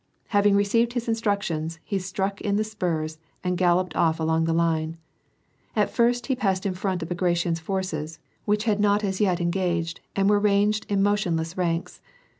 Hav ing received his instructions, he struck in the spurs and galloped off along the line. At first, he passed in front of Bagration's forces, which had not as yet engaged, and were ranged in motionless ranks.